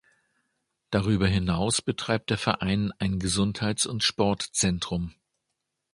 Darüber hinaus betreibt der Verein ein Gesundheits- und Sportzentrum.